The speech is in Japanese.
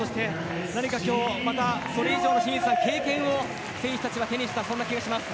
何か今日それ以上の経験を選手たちは手にした気がします。